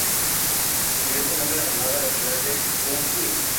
Recibió su nombre en honor a la ciudad de Brunswick.